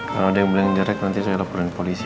kalau ada yang beli yang jelek nanti saya lapurin ke polisi